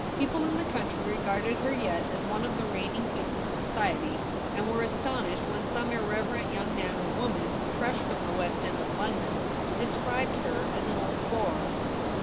People in the country regarded her yet as one of the reign ing queens of society, and were astonished when some irreverent young man or woman, fresh from the West End of London, de scribed her as an old bore.